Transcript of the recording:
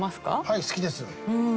はい好きです。